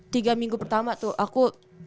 tiga minggu pertama tuh aku